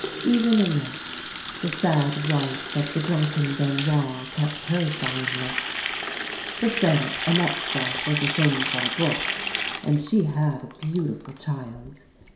Even Annette, the sad wife of the drvmken Benoit, kept her line looks ; but then, Annette's life was a thing for a book, and she had a beautiful child.